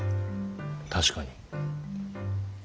確かに。